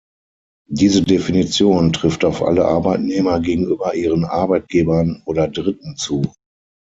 Diese Definition trifft auf alle Arbeitnehmer gegenüber ihren Arbeitgebern oder Dritten zu.